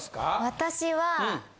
私は。